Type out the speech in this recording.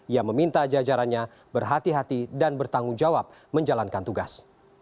ia meminta jajarannya berhati hati dan bertanggung jawab menjalankan tugas